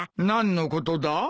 何のことだ？